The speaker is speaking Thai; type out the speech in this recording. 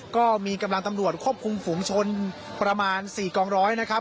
ก็มีกำลังตำรวจควบคุมฝุมชนประมาณ๔กล่องร้อย